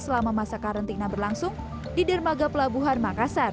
selama masa karantina berlangsung di dermaga pelabuhan makassar